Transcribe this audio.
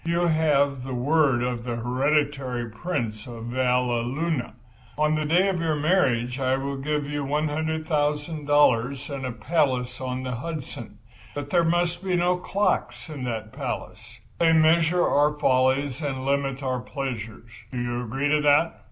You have the word of the hereditary Prince of Valleluna. On the day of your marriage I will give you $100,000 and a palace on the Hudson. But there must be no clocks in that palace—they measure our follies and limit our pleasures. Do you agree to that?"